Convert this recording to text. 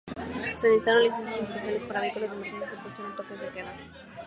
Se necesitaron licencias especiales para vehículos de emergencia y se impusieron toques de queda.